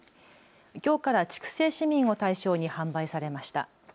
きょうから筑西市民を対象に販売されました。